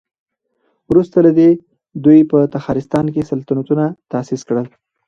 وروسته له دې دوی په تخارستان کې سلطنتونه تاسيس کړل